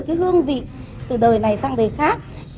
cốm hà nội huyện từ liêm hà nội domi bry và đạo luật từ podcast vac ravim